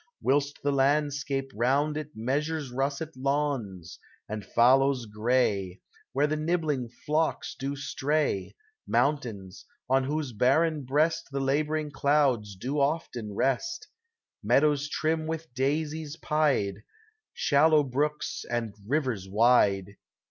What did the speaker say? Whilst the landscape round it measures Russet lawns, and fallows gray, Where the nibbling flocks do stray, — Mountains, on whose barren id cast The laboring clouds dp ofteD rest, — .Meadows trim with daisies pied, Shallow brooks, and rivers wide.